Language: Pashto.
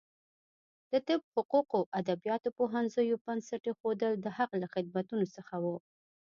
د طب، حقوقو او ادبیاتو پوهنځیو بنسټ ایښودل د هغه له خدمتونو څخه و.